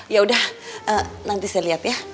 ya udah nanti saya lihat ya